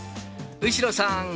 後呂さん。